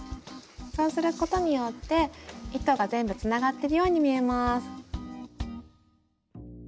そうすることによって糸が全部つながってるように見えます。